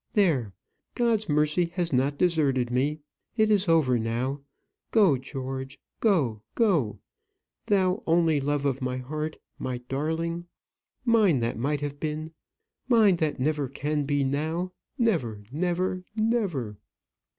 There; God's mercy has not deserted me. It is over now. Go, George go go; thou, only love of my heart; my darling; mine that might have been; mine that never can be now never never never.